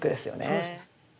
そうですね。